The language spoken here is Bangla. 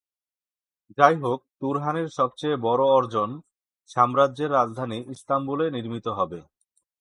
যাইহোক, তুরহানের সবচেয়ে বড় অর্জন সাম্রাজ্যের রাজধানী ইস্তাম্বুলে নির্মিত হবে।